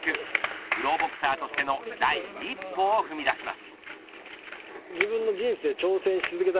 プロボクサーとしての第一歩を踏み出します。